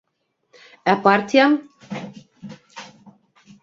Ә партияң?